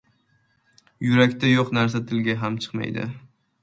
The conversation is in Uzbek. • Yurakda yo‘q narsa tilga ham chiqmaydi.